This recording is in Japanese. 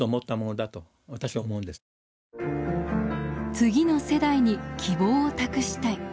次の世代に希望を託したい。